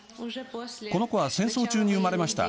この子は戦争中に産まれました。